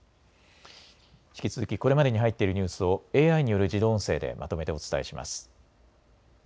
引き続きこれまでに入っているニュースをＡＩによる自動音声でまとめてお伝えします。